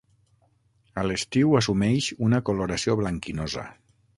A l'estiu assumeix una coloració blanquinosa.